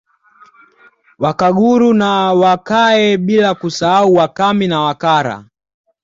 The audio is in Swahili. Wakaguru na Wakahe bila kusahau Wakami na Wakara